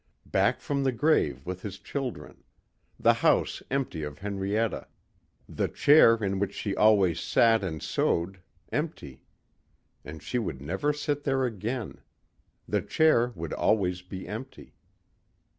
Back from the grave with his children.... The house empty of Henrietta. The chair in which she always sat and sewed, empty. And she would never sit there again. The chair would always be empty.